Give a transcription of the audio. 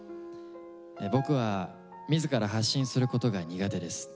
僕は自ら発信することが苦手です。